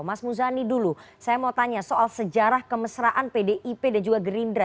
mas muzani dulu saya mau tanya soal sejarah kemesraan pdip dan juga gerindra